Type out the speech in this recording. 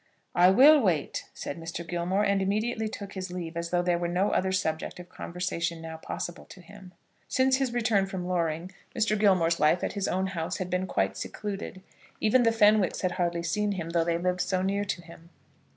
"I will wait," said Mr. Gilmore, and immediately took his leave, as though there were no other subject of conversation now possible to him. Since his return from Loring, Mr. Gilmore's life at his own house had been quite secluded. Even the Fenwicks had hardly seen him, though they lived so near to him.